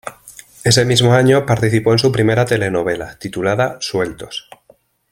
Ese mismo año participó en su primera telenovela, titulada "Sueltos".